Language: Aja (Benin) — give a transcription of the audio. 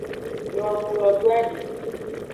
Nyongulo doadi.